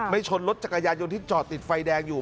ชนรถจักรยานยนต์ที่จอดติดไฟแดงอยู่